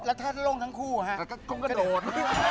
แล้วถ้าจะลงทั้งคู่หรือฮะคงกระโดด